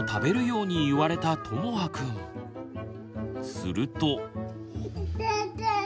すると。